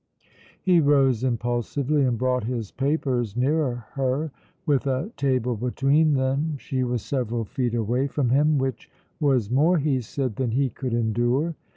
He rose impulsively and brought his papers nearer her. With a table between them she was several feet away from him, which was more, he said, than he could endure.